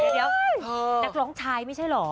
เดี๋ยวนักร้องชายไม่ใช่เหรอ